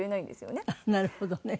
なるほどね。